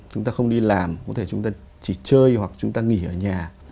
chúng ta không đi làm có thể chúng ta chỉ chơi hoặc chúng ta nghỉ ở nhà